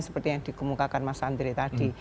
seperti yang dikemukakan mas andri tadi